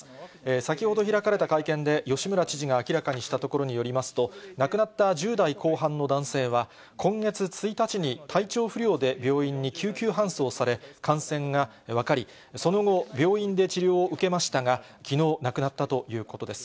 先ほど開かれた会見で吉村知事が明らかにしたところによりますと、亡くなった１０代後半の男性は、今月１日に体調不良で病院に救急搬送され、感染が分かり、その後、病院で治療を受けましたが、きのう亡くなったということです。